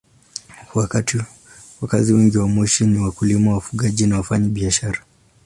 Wakazi wengi wa Moshi ni wakulima, wafugaji na wafanyabiashara.